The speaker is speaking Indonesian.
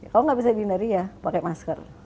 kalau nggak bisa dihindari ya pakai masker